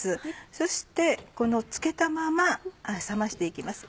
そしてつけたまま冷まして行きます。